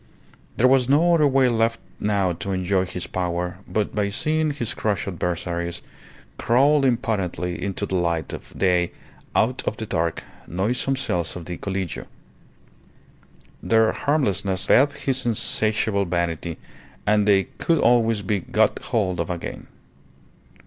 There was no other way left now to enjoy his power but by seeing his crushed adversaries crawl impotently into the light of day out of the dark, noisome cells of the Collegio. Their harmlessness fed his insatiable vanity, and they could always be got hold of again.